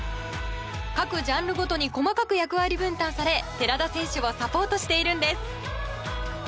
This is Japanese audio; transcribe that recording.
各ジャンルごとに細かく役割分担され寺田選手をサポートしているんです。